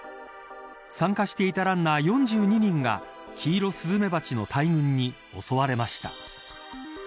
参加していたランナー４２人がキイロスズメバチの大群に襲われました。